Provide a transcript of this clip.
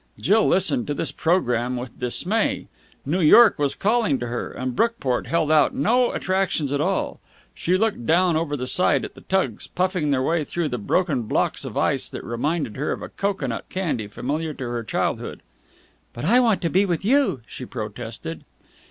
Jill listened to this programme with dismay. New York was calling to her, and Brookport held out no attractions at all. She looked down over the side at the tugs puffing their way through the broken blocks of ice that reminded her of a cocoanut candy familiar to her childhood. "But I want to be with you," she protested.